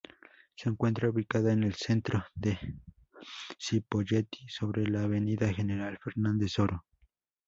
Se encuentra ubicada en el centro de Cipolletti, sobre la avenida General Fernández Oro.